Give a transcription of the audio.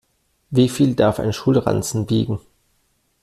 Wie viel darf ein Schulranzen wiegen?